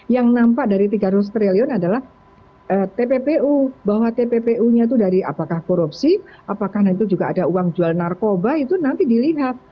yang nampak dari tiga ratus triliun adalah tppu bahwa tppu nya itu dari apakah korupsi apakah itu juga ada uang jual narkoba itu nanti dilihat